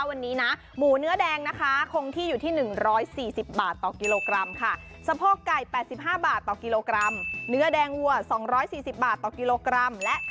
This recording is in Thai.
วันนี้หมูเนื้อแดงคงทีอยู่ที่๑๔๐บาทต่อกิโลกรัม